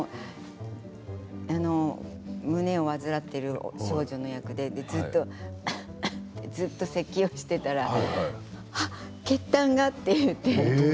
胸を患っている少女の役でずっとせきをしていたらあっ血たんがって。